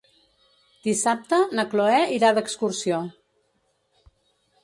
Dissabte na Cloè irà d'excursió.